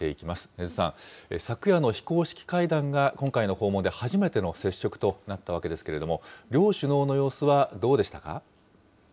禰津さん、昨夜の非公式会談が今回の訪問で初めての接触となったわけですけれども、両首脳の様子はどうでしたか。